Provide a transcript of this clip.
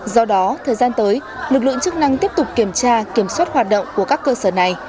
do đó thời gian tới lực lượng chức năng tiếp tục kiểm tra kiểm soát hoạt động của các cơ sở này